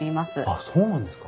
あっそうなんですか。